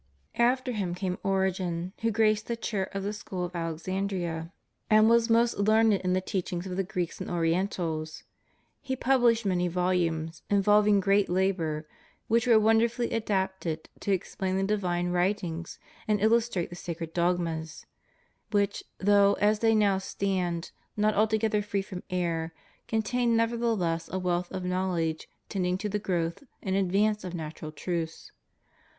After him came Origen, who graced the chair of the school of Alexandria, and was most learned in the teachings of the Greeks and Orientals. He pubUshed many volumes, involving great labor, which were wonder fully adapted to explain the divine writings and illustr'ate the sacred dogmas; which, though, as they now stand, not altogether free from error, contain nevertheless a wealth of knowledge tending to the growth and advance of natural truths.